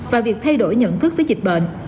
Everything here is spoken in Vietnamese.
và việc thay đổi nhận thức với dịch bệnh